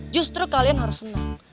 justru kalian harus senang